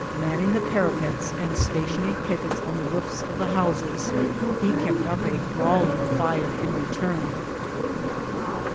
Manning the parapets and stationing pickets on the roofs of the houses, he kept up a galling fire in return.